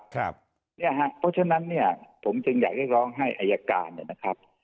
เพราะฉะนั้นเนี่ยผมจึงอยากให้ร้องให้อายการนะครับ